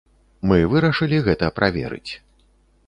Мы вырашылі гэта праверыць.